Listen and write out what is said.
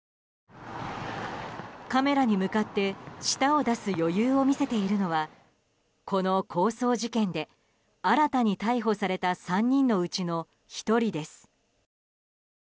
カメラに向かって舌を出す余裕を見せているのはこの抗争事件で新たに逮捕された３人のうちの１人です。